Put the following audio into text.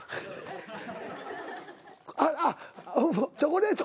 あっチョコレート。